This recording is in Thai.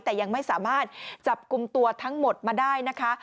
แต่ยังไม่สามารถจับกลุ่มตัวทั้งหมดมาได้นะคะ